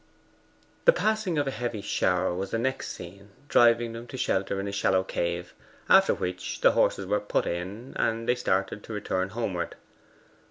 The passing of a heavy shower was the next scene driving them to shelter in a shallow cave after which the horses were put in, and they started to return homeward.